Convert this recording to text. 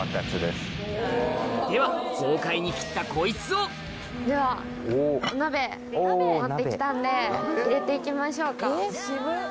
では豪快に切ったこいつをではお鍋持ってきたんで入れていきましょうか。